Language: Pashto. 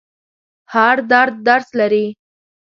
هر درد درس لري.